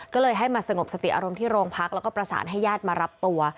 ก็เลยให้มาสงบสติอารมณ์ที่โรงพักแล้วก็ประสานให้ญาติมารับตัว